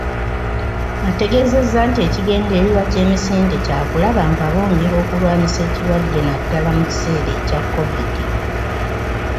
Ategeezezza nti ekigendererwa ky'emisinde kyakulaba nga bongera okulwanyisa ekirwadde naddala mu kiseera ekya kovidi.